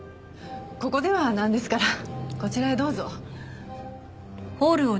ここではなんですからこちらへどうぞ。